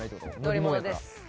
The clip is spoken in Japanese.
乗り物です